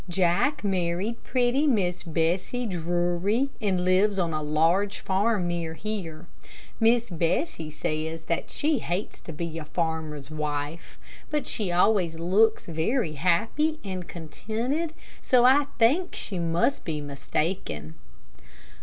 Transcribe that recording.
Jack married pretty Miss Bessie Drury, and lives on a large farm near here. Miss Bessie says that she hates to be a farmer's wife, but she always looks very happy and contented, so I think that she must be mistaken.